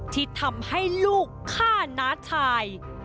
ที่ทำให้ลูกฆ่าน้าชาย